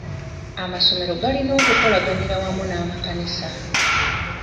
Amasomero galina okukolaganira awamu n'amakanisa.